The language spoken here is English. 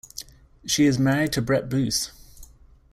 She is married to Brett Booth.